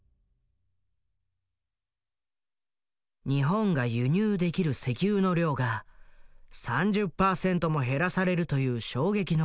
日本が輸入できる石油の量が３０％も減らされるという衝撃の記事。